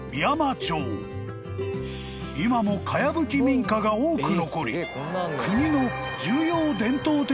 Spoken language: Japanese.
［今もかやぶき民家が多く残り国の］